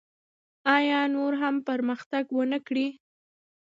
آیا نور هم پرمختګ ونکړي؟